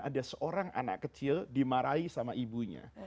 ada seorang anak kecil dimarahi sama ibunya